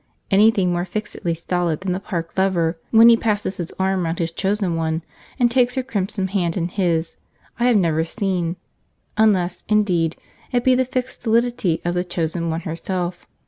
Anything more fixedly stolid than the Park Lover when he passes his arm round his chosen one and takes her crimson hand in his, I have never seen; unless, indeed, it be the fixed stolidity of the chosen one herself.